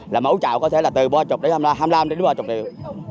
là mẫu chảo có thể từ ba mươi đến hai mươi năm đến ba mươi triệu